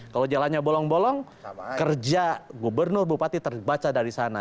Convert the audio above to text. kalau jalannya bolong bolong kerja gubernur bupati terbaca dari sana